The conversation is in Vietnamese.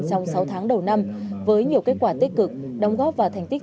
trong sáu tháng đầu năm với nhiều kết quả tích cực đóng góp và thành tích